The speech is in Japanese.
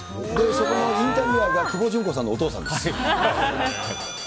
そこのインタビュアーが久保純子さんのお父さんです。